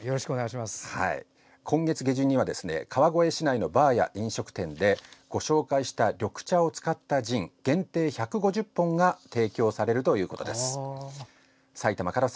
今月下旬には川越市内のバーや飲食店でご紹介した緑茶を使ったジン限定１５０本が提供されるということです。